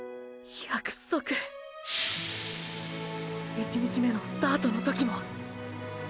１日目のスタートの時も。